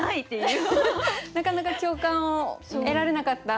なかなか共感を得られなかった。